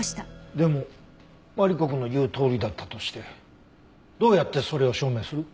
でもマリコくんの言うとおりだったとしてどうやってそれを証明する？